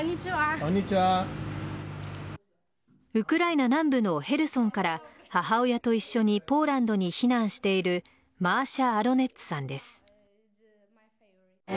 ウクライナ南部のヘルソンから母親と一緒にポーランドに避難しているマーシャ・アロネッツさんです。